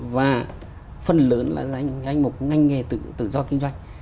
và phần lớn là danh mục ngành nghề tự do kinh doanh